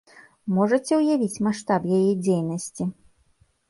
Можаце ўявіць маштаб яе дзейнасці!